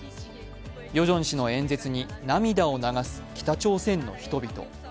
ヨジョン氏の演説に涙を流す北朝鮮の人々。